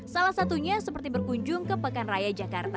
salah satunya seperti berkunjung ke pekan raya jakarta